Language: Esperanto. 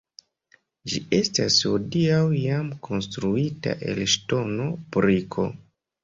Ĝi estas hodiaŭ jam konstruita el ŝtono, briko.